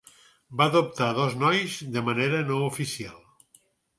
Va "adoptar" dos nois de manera no oficial.